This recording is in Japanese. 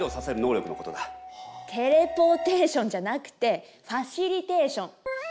テレポーテーションじゃなくてファシリテーション。